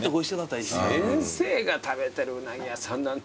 先生が食べてるうなぎ屋さんなんてもう。